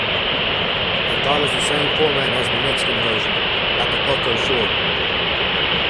It follows the same format as the Mexican version (Acapulco Shore).